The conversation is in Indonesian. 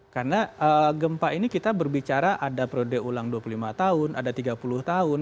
karena gempa ini kita berbicara ada periode ulang dua puluh lima tahun ada tiga puluh tahun